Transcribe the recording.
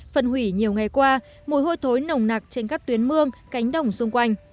phân hủy nhiều ngày qua mùi hôi thối nồng nặc trên các tuyến mương cánh đồng xung quanh